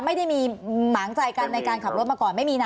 ไม่ได้มีหมางใจกันในการขับรถมาก่อนไม่มีนะ